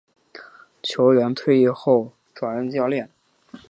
球员退役后转任教练。